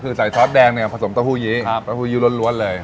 คือใส่ซอสแดงเนี้ยผสมโต๊ะฮูยีครับโต๊ะฮูยีล้วนล้วนเลยครับ